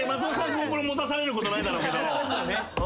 ＧｏＰｒｏ持たされることないだろうけど。